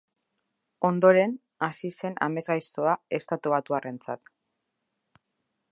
Ondoren, hasi zen amesgaiztoa estatubatuarrarentzat.